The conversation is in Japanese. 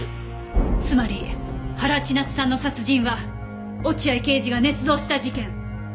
つまり原千夏さんの殺人は落合刑事が捏造した事件。